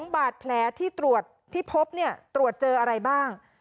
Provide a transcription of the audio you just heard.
๒บาดแผลที่พบตรวจเจออะไรบ้าง